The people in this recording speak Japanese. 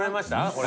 これ。